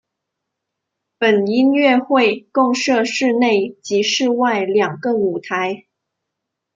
本音乐会共设室内及室外两个舞台。